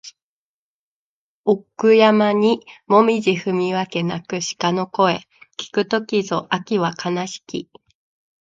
奥山にもみぢ踏み分け鳴く鹿の声聞く時ぞ秋は悲しき